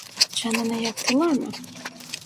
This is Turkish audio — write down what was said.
Canını yaktılar mı?